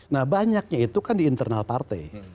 nah banyaknya itu kan di internal partai